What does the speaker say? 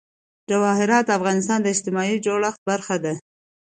جواهرات د افغانستان د اجتماعي جوړښت برخه ده.